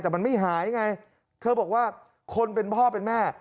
แต่มันไม่หายไงเธอบอกว่าคนเป็นพ่อเป็นแม่